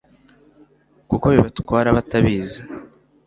kuko bibatwara batabizi